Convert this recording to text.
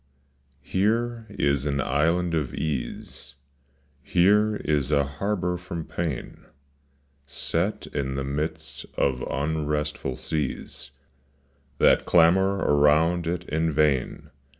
MERE is an island of ease, Here is a harbor from pain Set in the midst of unrestful seas That clamor around it in vain.